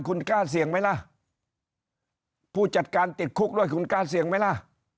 คุณกล้าเสี่ยงไหมล่ะผู้จัดการติดคุกด้วยคุณกล้าเสี่ยงไหมล่ะ